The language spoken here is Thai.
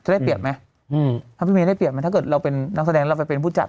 ได้เปรียบไหมถ้าพี่เมย์ได้เปรียบไหมถ้าเกิดเราเป็นนักแสดงแล้วไปเป็นผู้จัด